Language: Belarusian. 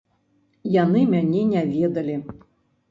Яны мяне не ведалі.